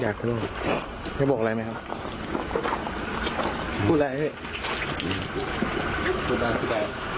อยากสั่งครับยังบอกอะไรไหมครับพูดได้มั้ย